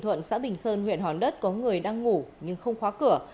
thuận xã bình sơn huyện hòn đất có người đang ngủ nhưng không khóa cửa